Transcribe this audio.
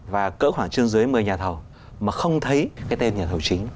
và cỡ khoảng trên dưới một mươi nhà thầu mà không thấy cái tên nhà thầu chính